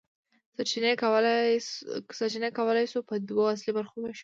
سرچینې کولی شو په دوه اصلي برخو وویشو.